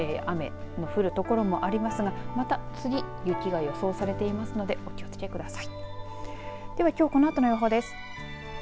いったん、あす、あさってと雨の降る所もありますがまた次、雪が予想されていますのでお気をつけください。